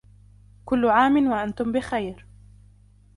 كلّ عامٍ وأنتم بخير.